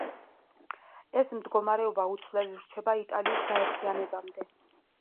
ეს მდგომარეობა უცვლელი რჩება იტალიის გაერთიანებამდე.